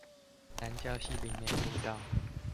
宜蘭礁溪林美步道